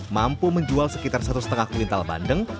mampu menjual sekitar satu lima kuintal bandeng